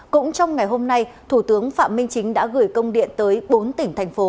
cũng trong ngày hôm nay thủ tướng phạm minh chính đã gửi công điện tới bốn tỉnh thành phố